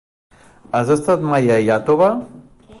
Has estat mai a Iàtova?